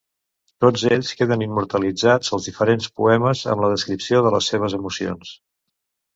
Tots ells queden immortalitzats als diferents poemes amb la descripció de les seves emocions.